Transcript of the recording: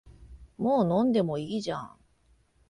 もう飲んでもいいじゃん